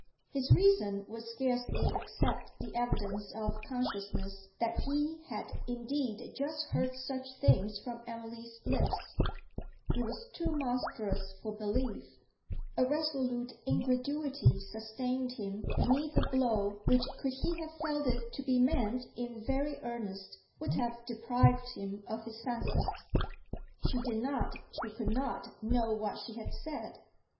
His reason would scarcely accept the evidence of consciousness that he had indeed just heard such things from Emily's lips; it was too monstrous for belief; a resolute incredulity sustained him beneath a blow which, could he have felt it to be meant in very earnest, would have deprived him of his senses. She did not, she could not, know what she had said!